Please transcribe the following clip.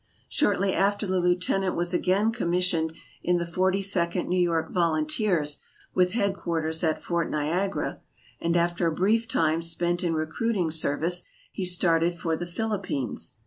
Shortly after the Lieutenant was again commissioned in the Forty second New York Volunteers with headquarters at Fort Niagara and after a brief time spent in recruiting service he started for the Philip pines.